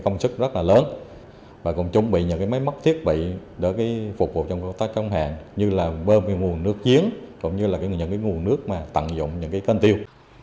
công chức rất là lớn và cũng chuẩn bị những cái máy mắc thiết bị để phục vụ trong công tác chống hạn như là bơm nguồn nước chiến cũng như là những cái nguồn nước mà tặng dụng những cái cân tiêu